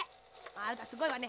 あなたすごいわね。